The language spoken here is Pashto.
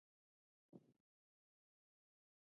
په پښتو کې د فعل جوړښت د انګلیسي ژبې سره توپیر لري.